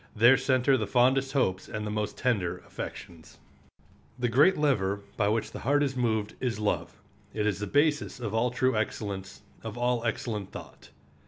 There center the fondest hopes and the most tender affections. The great lever by which the heart is moved is love; it is the basis of all true excellence, of all excellent thought.